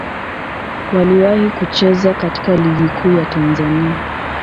Waliwahi kucheza katika Ligi Kuu ya Tanzania.